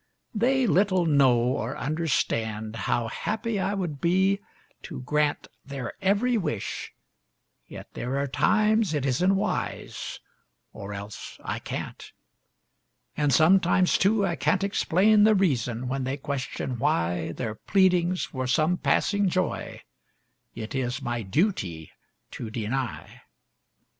They little know or understand how happy I would be to grant Their every wish, yet there are times it isn't wise, or else I can't. And sometimes, too, I can't explain the reason when they question why Their pleadings for some passing joy it is my duty to deny.